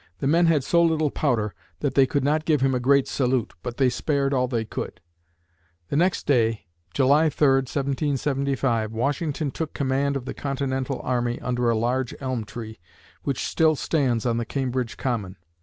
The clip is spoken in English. The men had so little powder that they could not give him a great salute, but they spared all they could. The next day, July 3, 1775, Washington took command of the Continental Army under a large elm tree, which still stands on the Cambridge Common.